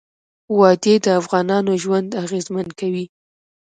وادي د افغانانو ژوند اغېزمن کوي.